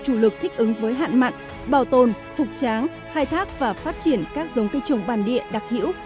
chủ lực thích ứng với hạn mặn bảo tồn phục tráng hài thác và phát triển các giống cây trồng bàn địa đặc hiểu